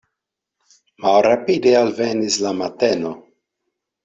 Malrapide alvenis la mateno.